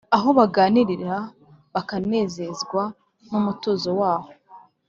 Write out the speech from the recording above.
aho baganirira bakanezezwa n’umutuzo waho.